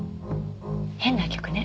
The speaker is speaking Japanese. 変な曲ね。